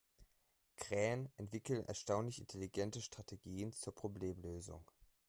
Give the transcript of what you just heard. Krähen entwickeln erstaunlich intelligente Strategien zur Problemlösung.